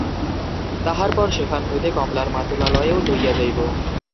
তাহার পর সেখান হইতে কমলার মাতুলালয়েও লইয়া যাইব।